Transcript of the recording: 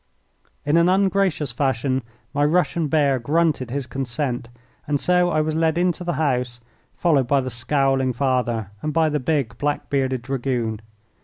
In an ungracious fashion my Russian bear grunted his consent, and so I was led into the house, followed by the scowling father and by the big, black bearded Dragoon.